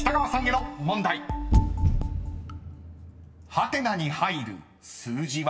［ハテナに入る数字は？］